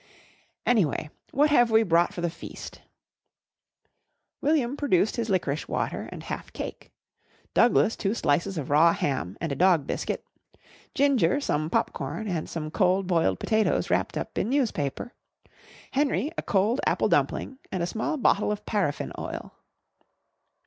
"Anyway, what have we brought for the feast?" William produced his licorice water and half cake, Douglas two slices of raw ham and a dog biscuit, Ginger some popcorn and some cold boiled potatoes wrapped up in newspaper, Henry a cold apple dumpling and a small bottle of paraffin oil.